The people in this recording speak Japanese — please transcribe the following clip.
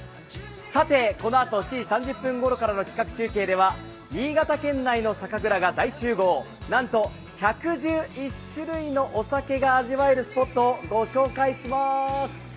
さて、このあと７時３０分ごろからの企画中継では、新潟県内の酒蔵が大集合、なんと１１１種類のお酒が味わえるスポットを御紹介します。